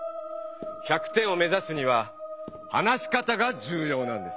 １００点を目ざすには話し方が重要なんです。